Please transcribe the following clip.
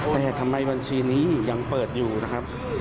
แต่ทำไมบัญชีนี้ยังเปิดอยู่นะครับ